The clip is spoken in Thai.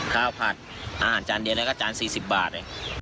ข้าวผัดอาหารจานเดียวแล้วก็จาน๔๐บาท